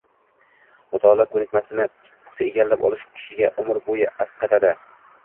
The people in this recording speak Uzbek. Mutolaa koʻnikmasini puxta egallab olish kishiga umr boʻyi asqatadi